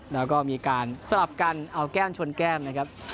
แล้วก็มีการสลับกันเอาแก้มชนแก้มนะครับ